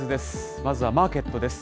まずはマーケットです。